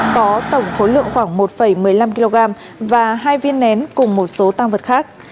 có tổng khối lượng khoảng một một mươi năm kg và hai viên nén cùng một số tăng vật khác